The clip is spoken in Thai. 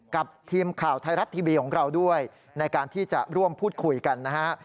กับทีมข่าวไทยรัฐทีวีของเราด้วยในการที่จะร่วมพูดคุยกันนะฮะ